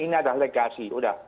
ini adalah legasi udah